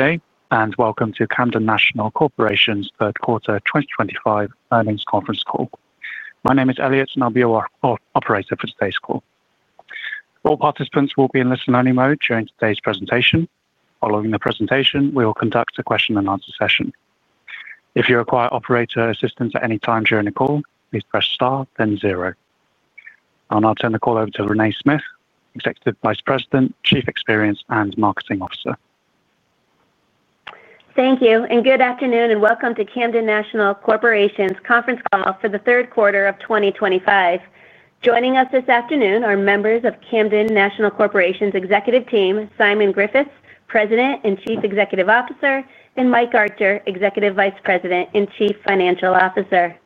Okay, and welcome to Camden National Corporation's third quarter 2025 earnings conference call. My name is Elliot, and I'll be your operator for today's call. All participants will be in listen-only mode during today's presentation. Following the presentation, we will conduct a question-and-answer session. If you require operator assistance at any time during the call, please press star, then zero. I'll now turn the call over to Renée Smyth, Executive Vice President, Chief Experience and Marketing Officer. Thank you, and good afternoon, and welcome to Camden National Corporation's conference call for the third quarter of 2025. Joining us this afternoon are members of Camden National Corporation's executive team, Simon Griffiths, President and Chief Executive Officer, and Mike Archer, Executive Vice President and Chief Financial Officer.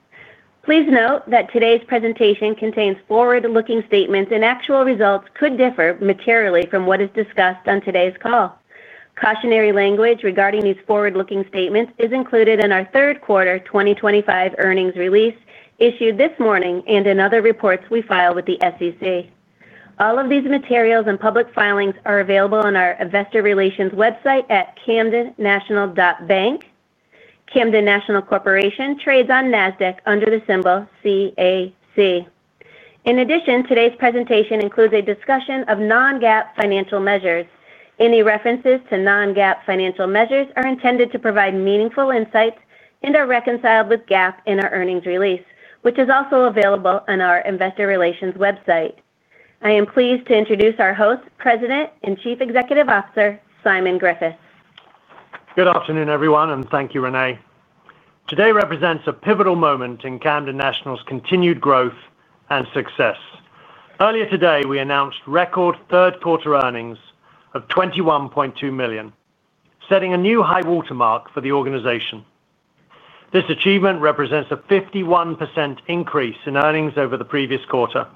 Please note that today's presentation contains forward-looking statements, and actual results could differ materially from what is discussed on today's call. Cautionary language regarding these forward-looking statements is included in our third quarter 2025 earnings release issued this morning and in other reports we file with the SEC. All of these materials and public filings are available on our investor relations website at camdennational.bank. Camden National Corporation trades on Nasdaq under the symbol CAC. In addition, today's presentation includes a discussion of non-GAAP financial measures. Any references to non-GAAP financial measures are intended to provide meaningful insights and are reconciled with GAAP in our earnings release, which is also available on our investor relations website. I am pleased to introduce our host, President and Chief Executive Officer, Simon Griffiths. Good afternoon, everyone, and thank you, Renée. Today represents a pivotal moment in Camden National's continued growth and success. Earlier today, we announced record third-quarter earnings of $21.2 million, setting a new high watermark for the organization. This achievement represents a 51% increase in earnings over the previous quarter.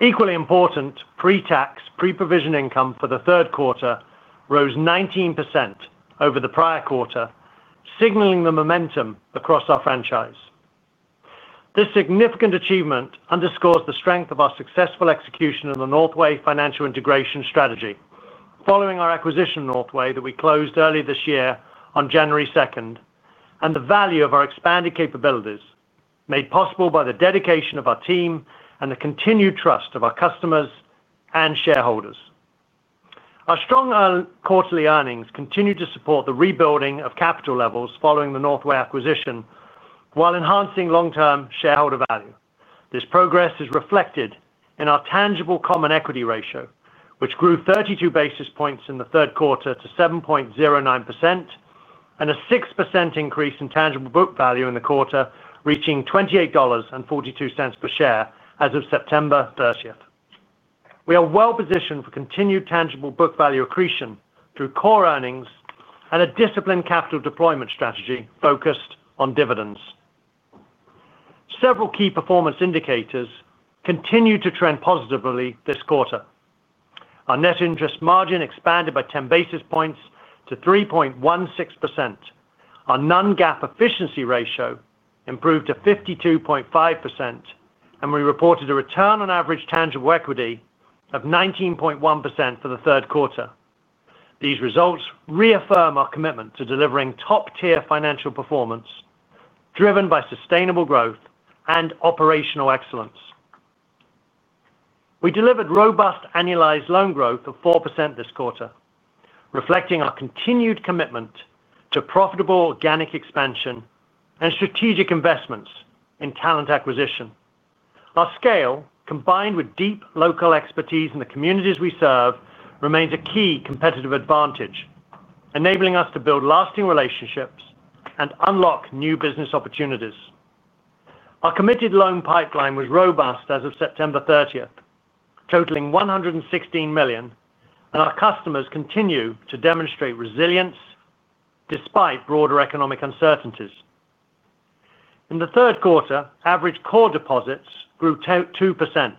Equally important, pre-tax, pre-provision income for the third quarter rose 19% over the prior quarter, signaling the momentum across our franchise. This significant achievement underscores the strength of our successful execution in the Northway Financial integration strategy, following our acquisition of Northway that we closed early this year on January 2, and the value of our expanded capabilities made possible by the dedication of our team and the continued trust of our customers and shareholders. Our strong quarterly earnings continue to support the rebuilding of capital levels following the Northway acquisition while enhancing long-term shareholder value. This progress is reflected in our tangible common equity ratio, which grew 32 basis points in the third quarter to 7.09%, and a 6% increase in tangible book value in the quarter, reaching $28.42 per share as of September 30. We are well positioned for continued tangible book value accretion through core earnings and a disciplined capital deployment strategy focused on dividends. Several key performance indicators continue to trend positively this quarter. Our net interest margin expanded by 10 basis points to 3.16%. Our non-GAAP efficiency ratio improved to 52.5%, and we reported a return on average tangible equity of 19.1% for the third quarter. These results reaffirm our commitment to delivering top-tier financial performance, driven by sustainable growth and operational excellence. We delivered robust annualized loan growth of 4% this quarter, reflecting our continued commitment to profitable organic expansion and strategic investments in talent acquisition. Our scale, combined with deep local expertise in the communities we serve, remains a key competitive advantage, enabling us to build lasting relationships and unlock new business opportunities. Our committed loan pipeline was robust as of September 30, totaling $116 million, and our customers continue to demonstrate resilience despite broader economic uncertainties. In the third quarter, average core deposits grew 2%,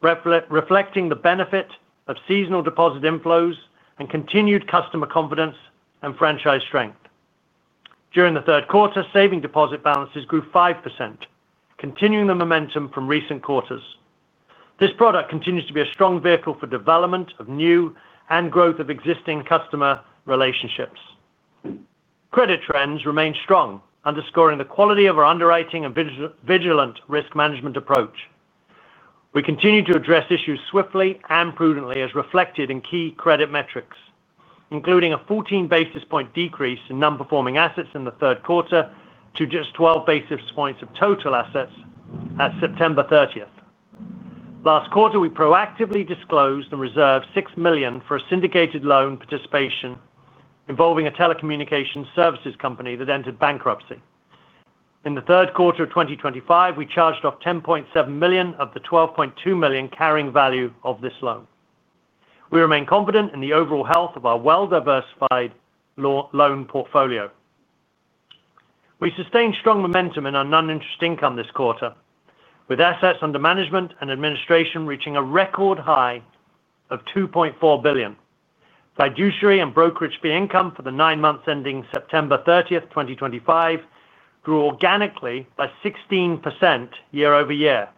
reflecting the benefit of seasonal deposit inflows and continued customer confidence and franchise strength. During the third quarter, saving deposit balances grew 5%, continuing the momentum from recent quarters. This product continues to be a strong vehicle for development of new and growth of existing customer relationships. Credit trends remain strong, underscoring the quality of our underwriting and vigilant risk management approach. We continue to address issues swiftly and prudently, as reflected in key credit metrics, including a 14 basis point decrease in non-performing assets in the third quarter to just 12 basis points of total assets at September 30. Last quarter, we proactively disclosed and reserved $6 million for a syndicated telecommunications loan participation involving a telecommunications services company that entered bankruptcy. In the third quarter of 2025, we charged off $10.7 million of the $12.2 million carrying value of this loan. We remain confident in the overall health of our well-diversified loan portfolio. We sustained strong momentum in our non-interest income this quarter, with assets under management and administration reaching a record high of $2.4 billion. Fiduciary and brokerage fee income for the nine months ending September 30, 2025 grew organically by 16% year-over-year,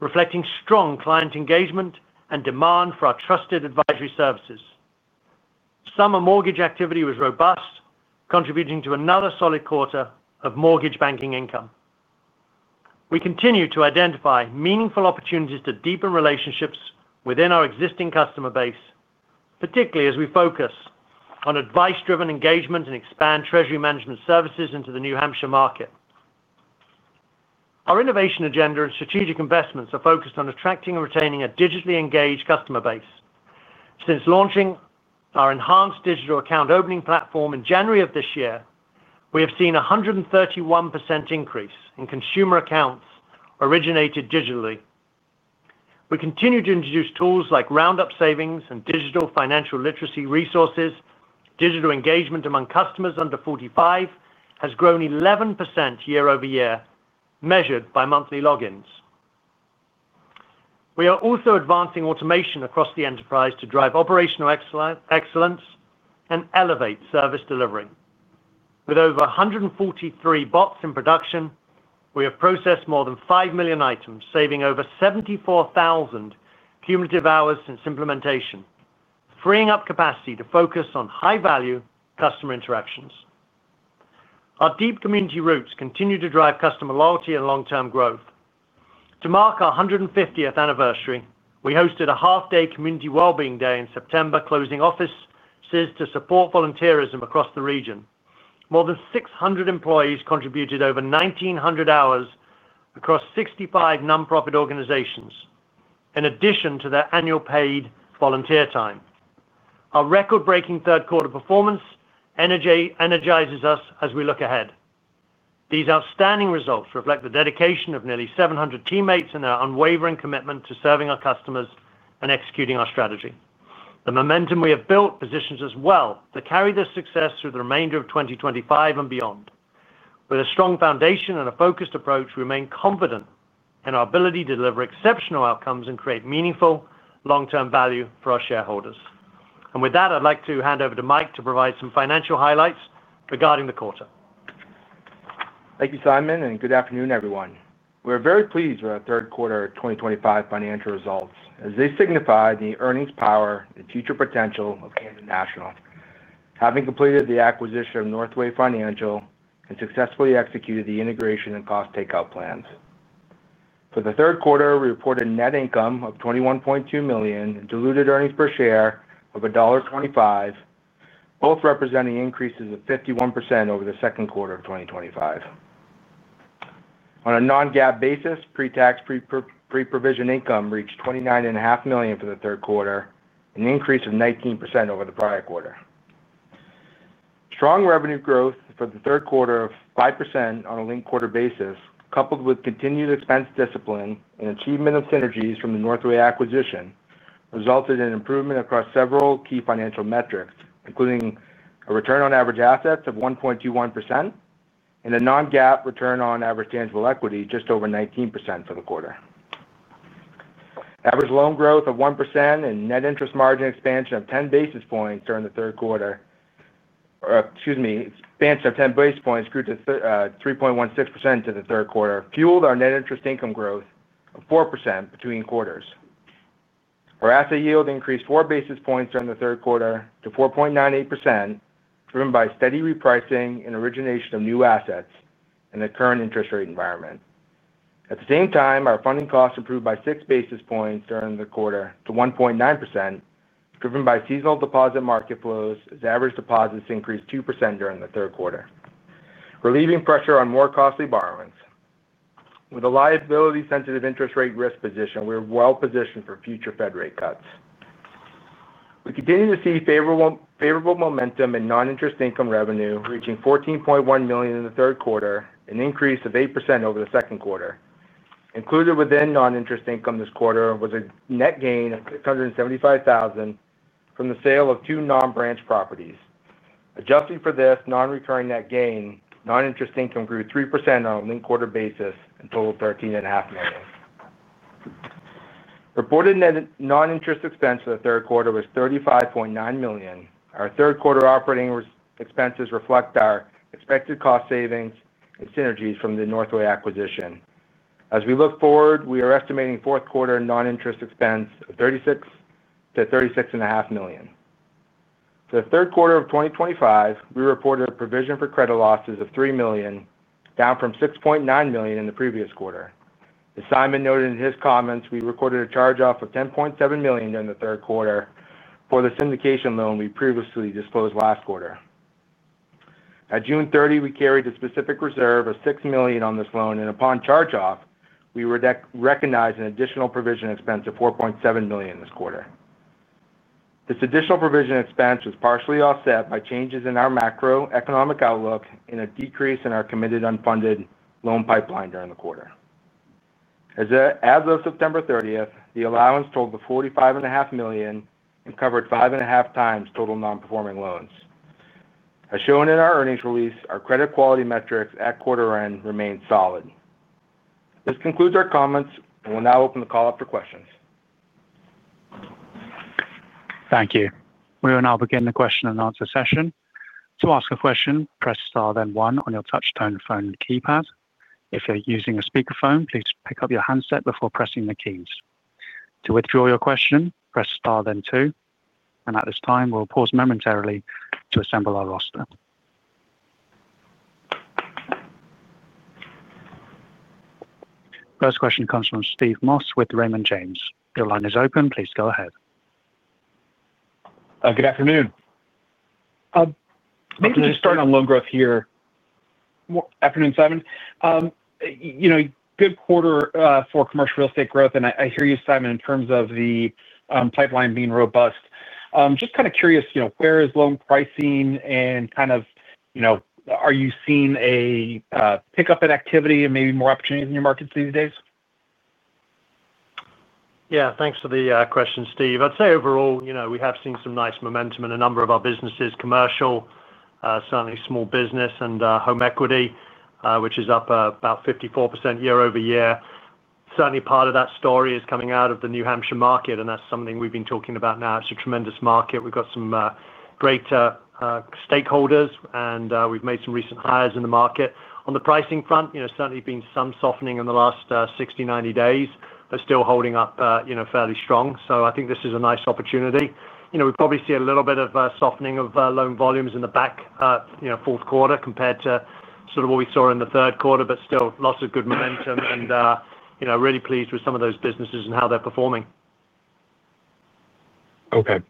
reflecting strong client engagement and demand for our trusted advisory services. Summer mortgage activity was robust, contributing to another solid quarter of mortgage banking income. We continue to identify meaningful opportunities to deepen relationships within our existing customer base, particularly as we focus on advice-driven engagement and expand treasury management services into the New Hampshire market. Our innovation agenda and strategic investments are focused on attracting and retaining a digitally engaged customer base. Since launching our enhanced digital account opening platform in January of this year, we have seen a 131% increase in consumer accounts originated digitally. We continue to introduce tools like Roundup Savings and digital financial literacy resources. Digital engagement among customers under 45 has grown 11% year-over-year, measured by monthly logins. We are also advancing automation across the enterprise to drive operational excellence and elevate service delivery. With over 143 bots in production, we have processed more than 5 million items, saving over 74,000 cumulative hours since implementation, freeing up capacity to focus on high-value customer interactions. Our deep community roots continue to drive customer loyalty and long-term growth. To mark our 150th anniversary, we hosted a half-day community wellbeing day in September, closing offices to support volunteerism across the region. More than 600 employees contributed over 1,900 hours across 65 nonprofit organizations, in addition to their annual paid volunteer time. Our record-breaking third-quarter performance energizes us as we look ahead. These outstanding results reflect the dedication of nearly 700 teammates and our unwavering commitment to serving our customers and executing our strategy. The momentum we have built positions us well to carry this success through the remainder of 2025 and beyond. With a strong foundation and a focused approach, we remain confident in our ability to deliver exceptional outcomes and create meaningful long-term value for our shareholders. I'd like to hand over to Mike to provide some financial highlights regarding the quarter. Thank you, Simon, and good afternoon, everyone. We're very pleased with our third quarter 2025 financial results, as they signify the earnings power and future potential of Camden National, having completed the acquisition of Northway Financial and successfully executed the integration and cost takeout plans. For the third quarter, we reported net income of $21.2 million and diluted earnings per share of $1.25, both representing increases of 51% over the second quarter of 2025. On a non-GAAP basis, pre-tax, pre-provision income reached $29.5 million for the third quarter, an increase of 19% over the prior quarter. Strong revenue growth for the third quarter of 5% on a linked quarter basis, coupled with continued expense discipline and achievement of synergies from the Northway acquisition, resulted in improvement across several key financial metrics, including a return on average assets of 1.21% and a non-GAAP return on average tangible equity just over 19% for the quarter. Average loan growth of 1% and net interest margin expansion of 10 basis points during the third quarter, or, excuse me, expansion of 10 basis points grew to 3.16% to the third quarter, fueled our net interest income growth of 4% between quarters. Our asset yield increased 4 basis points during the third quarter to 4.98%, driven by steady repricing and origination of new assets in the current interest rate environment. At the same time, our funding costs improved by 6 basis points during the quarter to 1.9%, driven by seasonal deposit market flows, as average deposits increased 2% during the third quarter, relieving pressure on more costly borrowings. With a liability-sensitive interest rate risk position, we're well positioned for future Fed rate cuts. We continue to see favorable momentum in non-interest income revenue, reaching $14.1 million in the third quarter, an increase of 8% over the second quarter. Included within non-interest income this quarter was a net gain of $675,000 from the sale of two non-branch properties. Adjusting for this non-recurring net gain, non-interest income grew 3% on a linked quarter basis and totaled $13.5 million. Reported net non-interest expense for the third quarter was $35.9 million. Our third quarter operating expenses reflect our expected cost savings and synergies from the Northway acquisition. As we look forward, we are estimating fourth quarter non-interest expense of $36 million-$36.5 million. For the third quarter of 2025, we reported a provision for credit losses of $3 million, down from $6.9 million in the previous quarter. As Simon noted in his comments, we recorded a charge-off of $10.7 million during the third quarter for the syndicated telecommunications loan we previously disclosed last quarter. At June 30, we carried a specific reserve of $6 million on this loan, and upon charge-off, we recognized an additional provision expense of $4.7 million this quarter. This additional provision expense was partially offset by changes in our macroeconomic outlook and a decrease in our committed unfunded loan pipeline during the quarter. As of September 30, the allowance totaled $45.5 million and covered 5.5 times total non-performing loans. As shown in our earnings release, our credit quality metrics at quarter end remain solid. This concludes our comments, and we'll now open the call up for questions. Thank you. We will now begin the question-and-answer session. To ask a question, press star, then one on your touchtone phone keypad. If you're using a speakerphone, please pick up your handset before pressing the keys. To withdraw your question, press star, then two. At this time, we'll pause momentarily to assemble our roster. First question comes from Steve Moss with Raymond James. Your line is open. Please go ahead. Good afternoon. Maybe just start on loan growth here. Afternoon, Simon. Good quarter for commercial real estate growth, and I hear you, Simon, in terms of the pipeline being robust. Just kind of curious, where is loan pricing and are you seeing a pickup in activity and maybe more opportunities in your markets these days? Yeah, thanks for the question, Steve. I'd say overall, you know, we have seen some nice momentum in a number of our businesses, commercial, certainly small business, and home equity, which is up about 54% year-over-year. Certainly, part of that story is coming out of the New Hampshire market, and that's something we've been talking about now. It's a tremendous market. We've got some great stakeholders, and we've made some recent hires in the market. On the pricing front, you know, certainly been some softening in the last 60, 90 days, but still holding up, you know, fairly strong. I think this is a nice opportunity. We've probably seen a little bit of softening of loan volumes in the back, you know, fourth quarter compared to sort of what we saw in the third quarter, but still lots of good momentum, and you know, really pleased with some of those businesses and how they're performing. Okay,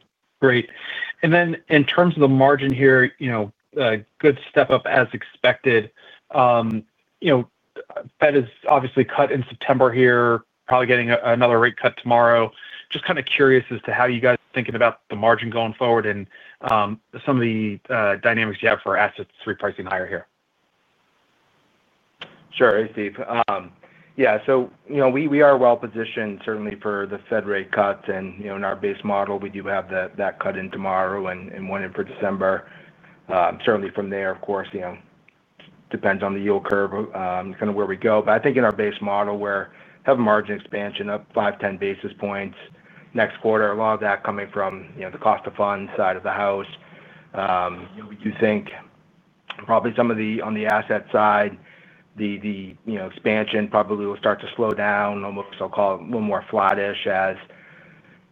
great. In terms of the margin here, you know, good step up as expected. The Federal Reserve has obviously cut in September here, probably getting another rate cut tomorrow. Just kind of curious as to how you guys are thinking about the margin going forward and some of the dynamics you have for assets repricing higher here. Sure, hey, Steve. Yeah, we are well positioned certainly for the Federal Reserve rate cut, and in our base model, we do have that cut in tomorrow and one in for December. Certainly from there, it depends on the yield curve, kind of where we go, but I think in our base model, we have a margin expansion up five, 10 basis points next quarter, a lot of that coming from the cost of funds side of the house. We do think probably some of the on the asset side, the expansion probably will start to slow down, almost I'll call it a little more flattish as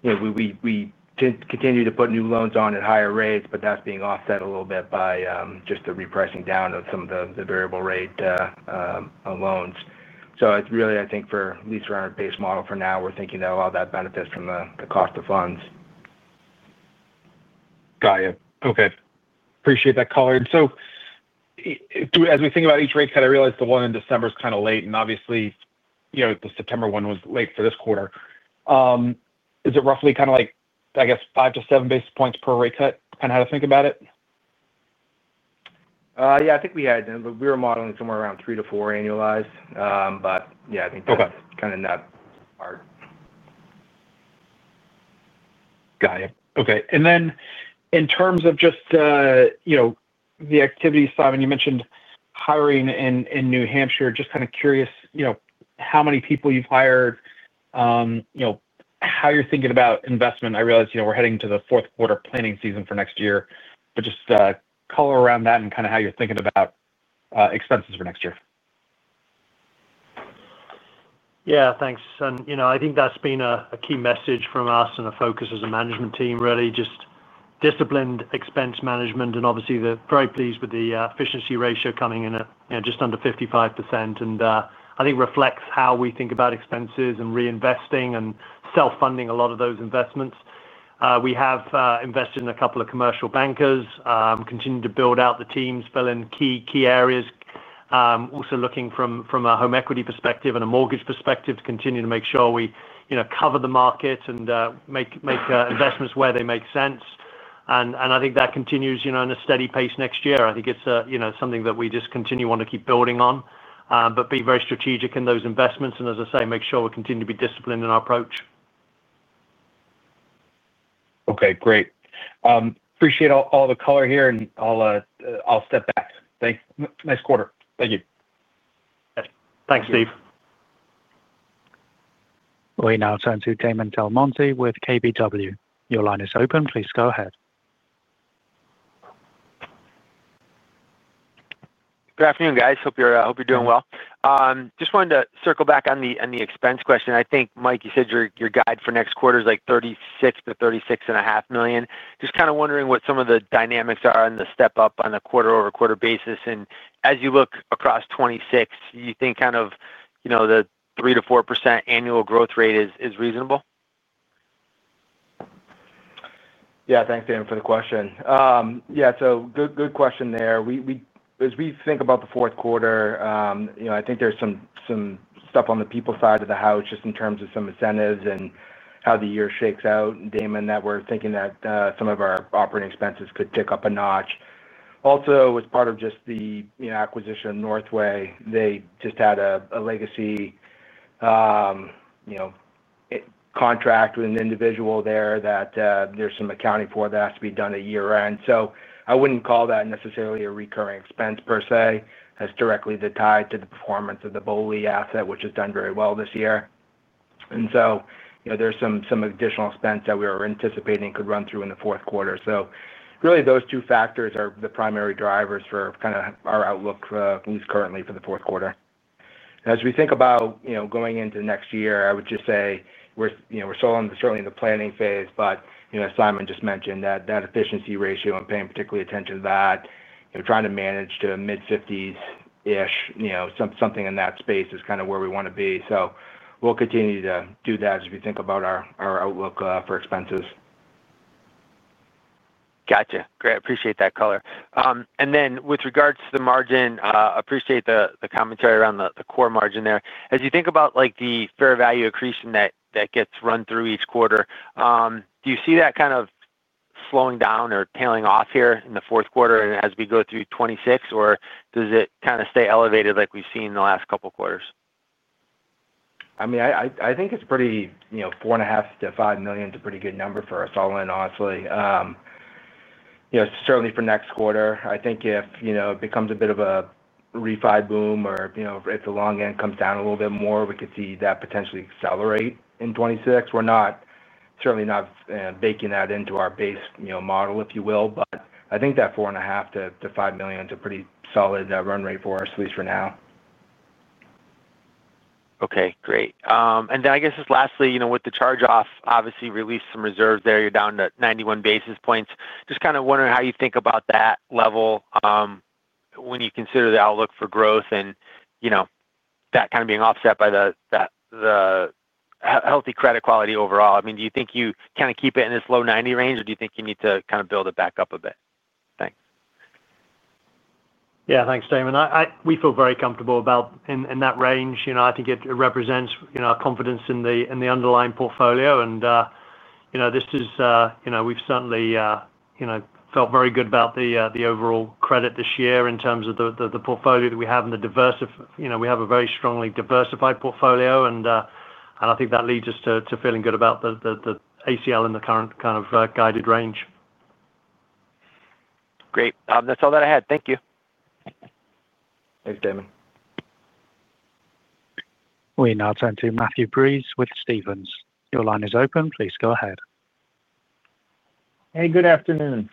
we continue to put new loans on at higher rates, but that's being offset a little bit by just the repricing down of some of the variable rate loans. It's really, I think, for at least around our base model for now, we're thinking that a lot of that benefits from the cost of funds. Got it. Okay. Appreciate that color. As we think about each rate cut, I realize the one in December is kind of late, and obviously, you know, the September one was late for this quarter. Is it roughly kind of like, I guess, 5 to 7 basis points per rate cut? Kind of how to think about it? Yeah, I think we were modeling somewhere around 3%-4% annualized, but I think both are kind of not hard. Got it. Okay. In terms of just the activity, Simon, you mentioned hiring in New Hampshire. Just kind of curious how many people you've hired, how you're thinking about investment. I realize we're heading into the fourth quarter planning season for next year, but just color around that and how you're thinking about expenses for next year. Yeah, thanks. I think that's been a key message from us and a focus as a management team, really just disciplined expense management. Obviously, they're very pleased with the efficiency ratio coming in at just under 55%, and I think it reflects how we think about expenses and reinvesting and self-funding a lot of those investments. We have invested in a couple of commercial bankers, continued to build out the teams, fill in key areas, also looking from a home equity perspective and a mortgage perspective to continue to make sure we cover the market and make investments where they make sense. I think that continues in a steady pace next year. I think it's something that we just continue wanting to keep building on, but be very strategic in those investments, and, as I say, make sure we continue to be disciplined in our approach. Okay, great. Appreciate all the color here, and I'll step back. Thanks. Nice quarter. Thank you. Thanks, Steve. Now it's over to Damon DelMonte with KBW. Your line is open. Please go ahead. Good afternoon, guys. Hope you're doing well. Just wanted to circle back on the expense question. I think, Mike, you said your guide for next quarter is like $36 million-$36.5 million. Just kind of wondering what some of the dynamics are in the step-up on the quarter-over-quarter basis. As you look across 2026, do you think kind of, you know, the 3%-4% annual growth rate is reasonable? Yeah, thanks, Damon, for the question. Good question there. As we think about the fourth quarter, I think there's some stuff on the people side of the house, just in terms of some incentives and how the year shakes out, Damon, that we're thinking that some of our operating expenses could tick up a notch. Also, as part of just the acquisition of Northway, they just had a legacy contract with an individual there that there's some accounting for that has to be done at year-end. I wouldn't call that necessarily a recurring expense per se, as directly tied to the performance of the BOLI asset, which has done very well this year. There's some additional expense that we were anticipating could run through in the fourth quarter. Really, those two factors are the primary drivers for kind of our outlook, at least currently for the fourth quarter. As we think about going into next year, I would just say we're still certainly in the planning phase, but as Simon just mentioned, that efficiency ratio and paying particularly attention to that, trying to manage to mid-50s-ish, something in that space is kind of where we want to be. We'll continue to do that as we think about our outlook for expenses. Gotcha. Great. Appreciate that color. With regards to the margin, I appreciate the commentary around the core margin there. As you think about the fair value accretion that gets run through each quarter, do you see that kind of slowing down or tailing off here in the fourth quarter and as we go through 2026, or does it kind of stay elevated like we've seen in the last couple of quarters? I mean, I think it's pretty, you know, $4.5 million-$5 million is a pretty good number for us all in, honestly. Certainly for next quarter, I think if, you know, it becomes a bit of a refi boom or, you know, if the long end comes down a little bit more, we could see that potentially accelerate in 2026. We're not certainly not baking that into our base, you know, model, if you will, but I think that $4.5 million-$5 million is a pretty solid run rate for us, at least for now. Okay, great. Lastly, with the charge-off, obviously you released some reserves there, you're down to 91 basis points. Just kind of wondering how you think about that level when you consider the outlook for growth and that kind of being offset by the healthy credit quality overall. Do you think you kind of keep it in this low 90 range, or do you think you need to kind of build it back up a bit? Yeah, thanks, Damon. We feel very comfortable about in that range. I think it represents our confidence in the underlying portfolio. We've certainly felt very good about the overall credit this year in terms of the portfolio that we have and the diverse, we have a very strongly diversified portfolio. I think that leads us to feeling good about the allowance for credit losses in the current kind of guided range. Great. That's all that I had. Thank you. Thanks, Damon. We now turn to Matthew Breese with Stephens. Your line is open. Please go ahead. Hey, good afternoon.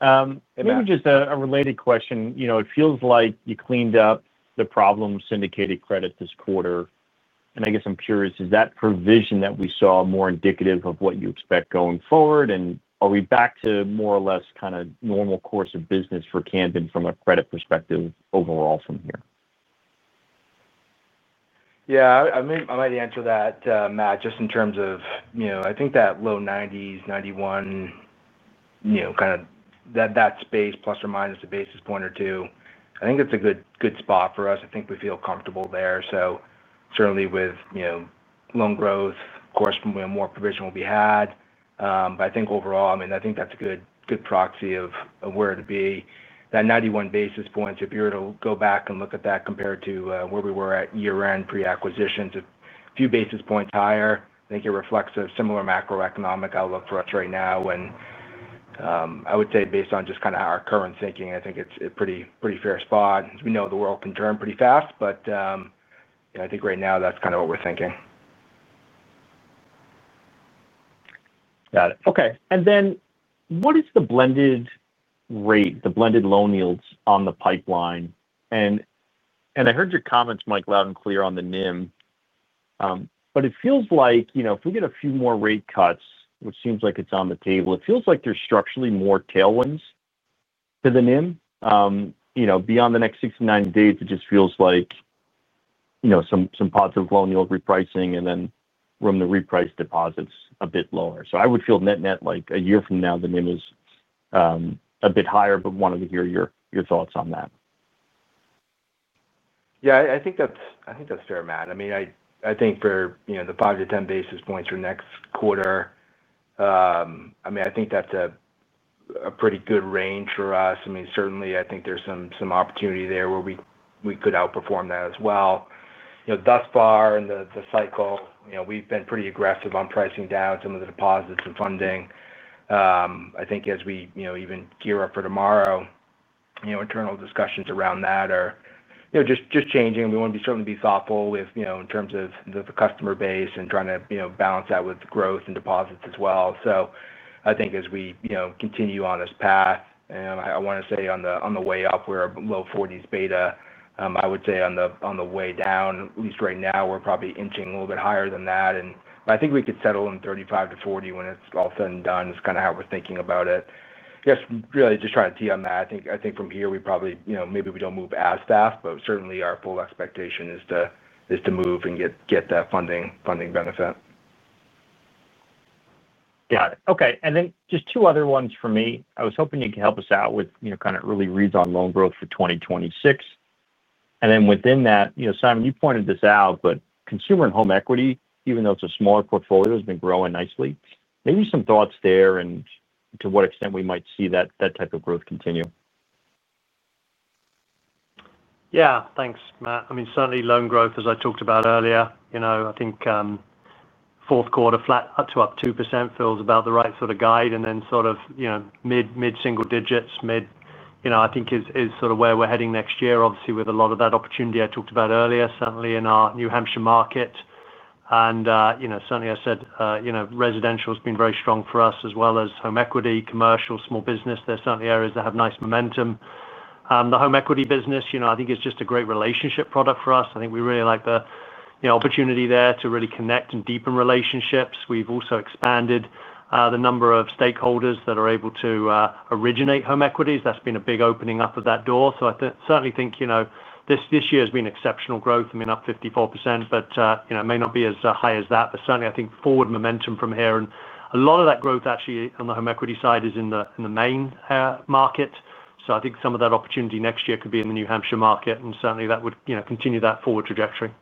Maybe just a related question. You know, it feels like you cleaned up the problem syndicated credit this quarter. I guess I'm curious, is that provision that we saw more indicative of what you expect going forward? Are we back to more or less kind of normal course of business for Camden National Corporation from a credit perspective overall from here? Yeah, I might answer that, Matt, just in terms of, you know, I think that low 90s, 91, you know, kind of that space plus or minus a basis point or two, I think it's a good spot for us. I think we feel comfortable there. Certainly with, you know, loan growth, of course, more provision will be had. I think overall, I mean, I think that's a good proxy of where to be. That 91 basis points, if you were to go back and look at that compared to where we were at year-end pre-acquisition, a few basis points higher, I think it reflects a similar macroeconomic outlook for us right now. I would say based on just kind of our current thinking, I think it's a pretty fair spot. We know the world can turn pretty fast, but, you know, I think right now that's kind of what we're thinking. Got it. Okay. What is the blended rate, the blended loan yields on the pipeline? I heard your comments, Mike, loud and clear on the NIM. It feels like, you know, if we get a few more rate cuts, which seems like it's on the table, it feels like there's structurally more tailwinds to the NIM. You know, beyond the next 60, 90 days, it just feels like, you know, some positive loan yield repricing and then room to reprice deposits a bit lower. I would feel net-net like a year from now, the NIM is a bit higher, but wanted to hear your thoughts on that. Yeah, I think that's fair, Matt. I mean, I think for the five to 10 basis points for next quarter, I think that's a pretty good range for us. Certainly, I think there's some opportunity there where we could outperform that as well. Thus far in the cycle, we've been pretty aggressive on pricing down some of the deposits and funding. I think as we even gear up for tomorrow, internal discussions around that are just changing. We want to certainly be thoughtful in terms of the customer base and trying to balance that with growth and deposits as well. I think as we continue on this path, I want to say on the way up, we're a low 40s beta. I would say on the way down, at least right now, we're probably inching a little bit higher than that. I think we could settle in 35-40 when it's all said and done. It's kind of how we're thinking about it. Yes, really just trying to TM that. I think from here we probably, maybe we don't move as fast, but certainly our full expectation is to move and get that funding benefit. Got it. Okay. Just two other ones for me. I was hoping you could help us out with, you know, kind of early reads on loan growth for 2026. Within that, you know, Simon, you pointed this out, but consumer and home equity, even though it's a smaller portfolio, has been growing nicely. Maybe some thoughts there and to what extent we might see that type of growth continue. Yeah, thanks, Matt. I mean, certainly loan growth, as I talked about earlier, I think fourth quarter flat up to up 2% feels about the right sort of guide. Then sort of, you know, mid-single digits, mid, I think is sort of where we're heading next year, obviously with a lot of that opportunity I talked about earlier, certainly in our New Hampshire market. I said residential has been very strong for us as well as home equity, commercial, small business. There are certainly areas that have nice momentum. The home equity business, I think it's just a great relationship product for us. I think we really like the opportunity there to really connect and deepen relationships. We've also expanded the number of stakeholders that are able to originate home equities. That's been a big opening up of that door. I certainly think this year has been exceptional growth. I mean, up 54%, but it may not be as high as that, but certainly I think forward momentum from here. A lot of that growth actually on the home equity side is in the Maine market. I think some of that opportunity next year could be in the New Hampshire market, and certainly that would continue that forward trajectory.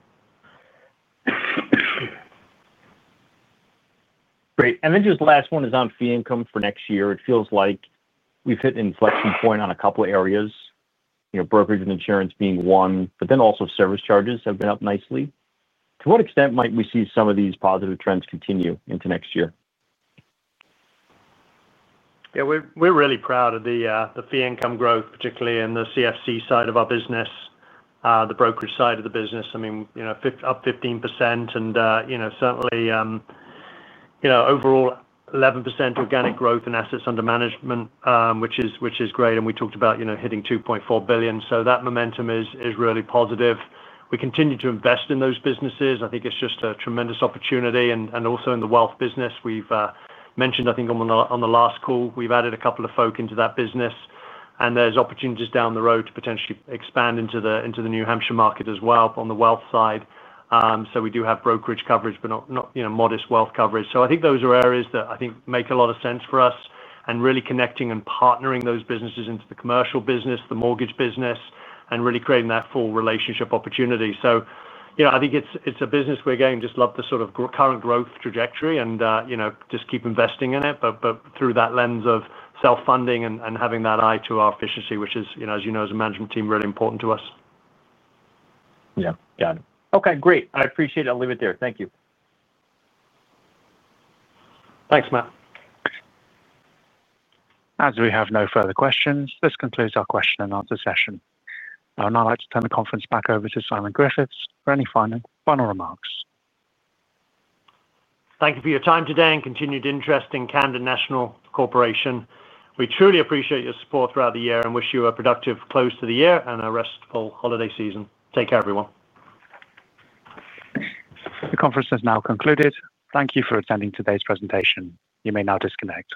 Great. Just the last one is on fee income for next year. It feels like we've hit an inflection point on a couple of areas, you know, brokerage and insurance being one, but also service charges have been up nicely. To what extent might we see some of these positive trends continue into next year? Yeah, we're really proud of the fee income growth, particularly in the CFC side of our business, the brokerage side of the business. I mean, up 15% and certainly overall 11% organic growth in assets under management, which is great. We talked about hitting $2.4 billion, so that momentum is really positive. We continue to invest in those businesses. I think it's just a tremendous opportunity. Also, in the wealth business, we've mentioned, I think on the last call, we've added a couple of folk into that business. There's opportunities down the road to potentially expand into the New Hampshire market as well on the wealth side. We do have brokerage coverage, but not, you know, modest wealth coverage. I think those are areas that I think make a lot of sense for us and really connecting and partnering those businesses into the commercial business, the mortgage business, and really creating that full relationship opportunity. I think it's a business where again, just love the sort of current growth trajectory and just keep investing in it, but through that lens of self-funding and having that eye to our efficiency, which is, as you know, as a management team, really important to us. Yeah, got it. Okay, great. I appreciate it. I'll leave it there. Thank you. Thanks, Matt. As we have no further questions, this concludes our question-and-answer session. I would now like to turn the conference back over to Simon Griffiths for any final remarks. Thank you for your time today and continued interest in Camden National Corporation. We truly appreciate your support throughout the year and wish you a productive close to the year and a restful holiday season. Take care, everyone. The conference has now concluded. Thank you for attending today's presentation. You may now disconnect.